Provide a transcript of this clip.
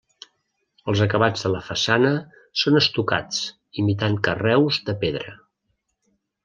Els acabats de la façana són estucats imitant carreus de pedra.